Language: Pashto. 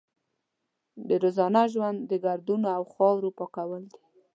د روزانه ژوند د ګردونو او خاورو پاکول دي.